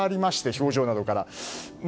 表情などから。